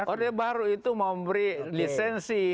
orde baru itu memberi lisensi